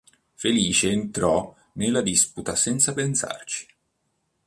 Felice entrò nella disputa senza pensarci.